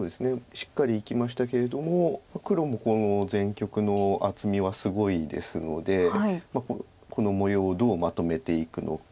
しっかり生きましたけれども黒もこの全局の厚みはすごいですのでこの模様をどうまとめていくのか。